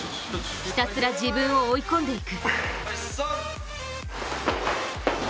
ひたすら自分を追い込んでいく。